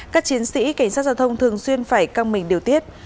các chiến sĩ cảnh sát giao thông thường xuyên phải căng mình điều tiết